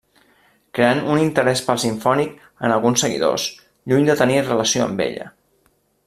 Creant un interès pel simfònic en alguns seguidors, lluny de tenir relació amb ella.